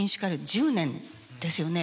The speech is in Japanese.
１０年ですよね。